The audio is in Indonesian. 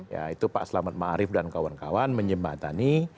ya itu pak selamat ma'arif dan kawan kawan menjembatani